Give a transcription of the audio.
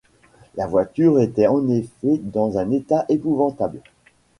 La voiture était en effet dans un état épouvantable.